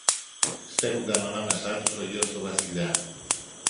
στέκουνταν ανάμεσα τους ο γιος του Βασιλιά.